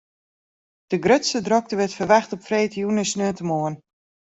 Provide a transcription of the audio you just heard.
De grutste drokte wurdt ferwachte op freedtejûn en saterdeitemoarn.